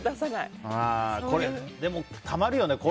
でも、たまるよね。